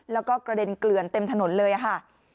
แล้วก็กระเด็นเกลือนเต็มถนนเลยค่ะ